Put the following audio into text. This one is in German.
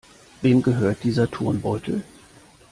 Wem gehört dieser Turnbeutel?